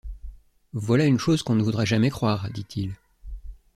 Voilà une chose qu’on ne voudra jamais croire », dit-il.